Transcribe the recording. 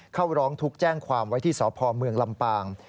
เข้าร้องทุกข์แจ้งความไว้ที่สพเมืองลำปาง